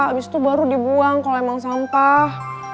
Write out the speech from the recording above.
abis itu baru dibuang kalo emang sampah